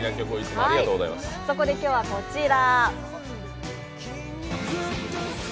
そこで今日はこちら。